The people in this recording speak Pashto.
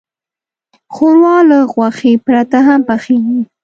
ښوروا له غوښې پرته هم پخیږي.